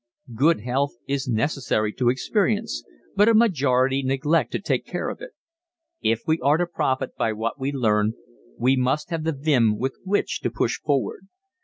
Good health is necessary to experience, but a majority neglect to take care of it. If we are to profit by what we learn we must have the vim with which to push forward.